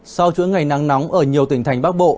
sau chuỗi ngày nắng nóng ở nhiều tỉnh thành bắc bộ